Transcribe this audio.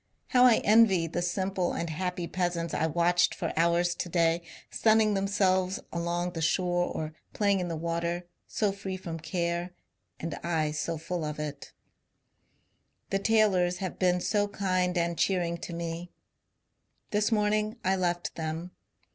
How I envy the simple and happy peasants I watched for hours to day sunning themselves alone the shore or phmng in the water, so free from care, and I so full of it !..• The Taylors have been so kind and cheering to me. This morning I left them.